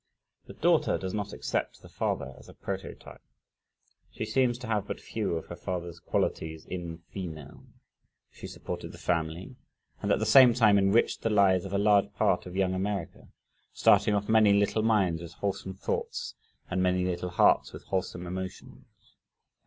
The daughter does not accept the father as a prototype she seems to have but few of her father's qualities "in female." She supported the family and at the same time enriched the lives of a large part of young America, starting off many little minds with wholesome thoughts and many little hearts with wholesome emotions.